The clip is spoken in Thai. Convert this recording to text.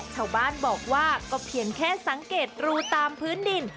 ชาวบ้านบอกว่าก็เพียงแค่สังเกตรูตามพื้นดิน